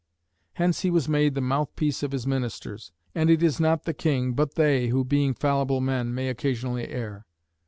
Hence he was made the mouthpiece of his ministers, and it is not the king, but they, who, being fallible men, may occasionally err.